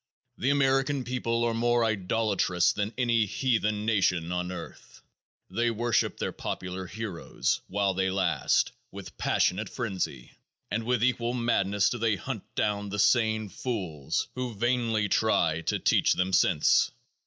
The American people are more idolatrous than any "heathen" nation on earth. They worship their popular "heroes," while they last, with passionate frenzy, and with equal madness do they hunt down the sane "fools" who vainly try to teach them sense.